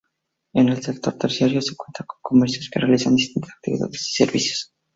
En el sector terciario se cuenta con comercios que realizan distintas actividades y servicios.